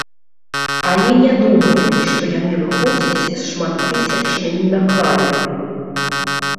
Але не думаю, што яны выходзяць шматттысячнымі накладамі.